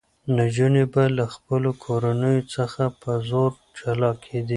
نجونې به له خپلو کورنیو څخه په زور جلا کېدې.